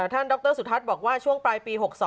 ท่านดรสุธรัฐบอกว่าช่วงปลายปี๖๒